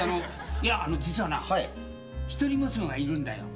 いやあの実はな一人娘がいるんだよ。